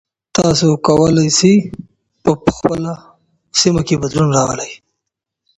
تاسو کولای سئ په خپله سیمه کې بدلون راولئ.